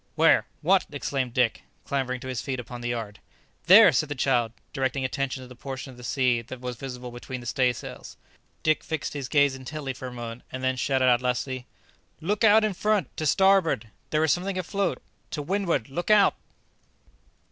"Where? what?" exclaimed Dick, clambering to his feet upon the yard. "There!" said the child, directing attention to the portion of the sea surface that was visible between the stay sails. Dick fixed his gaze intently for a moment, and then shouted out lustily, "Look out in front, to starboard! There is something afloat. To windward, look out!"